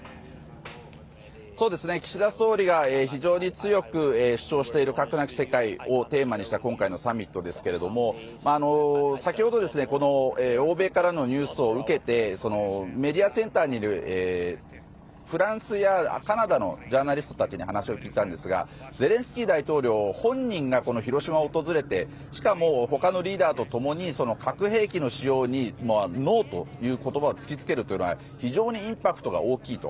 岸田総理が非常に強く主張している核なき世界をテーマにした今回のサミットですけれども先ほど欧米からのニュースを受けてメディアセンターにいるフランスやカナダのジャーナリストたちに話を聞いたんですがゼレンスキー大統領本人が広島を訪れてしかも他のリーダーと共に核兵器の使用にノーという言葉を突きつけるというのは非常にインパクトが大きいと。